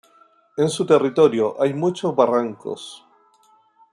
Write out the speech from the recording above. En su territorio hay muchos barrancos.